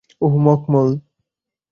উহ, মখমল।